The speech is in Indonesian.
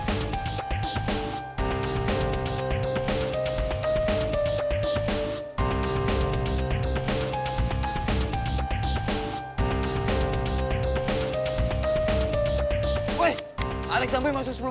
udahlah dia gak akan bangun juga